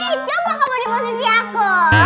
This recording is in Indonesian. eh coba kamu di posisi aku